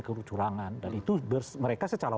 kecurangan dan itu mereka secara